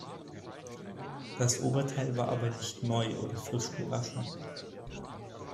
Das Oberteil war aber nicht neu oder frisch gewaschen.